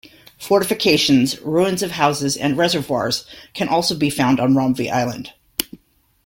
Fortifications, ruins of houses and reservoirs can also be found on Romvi island.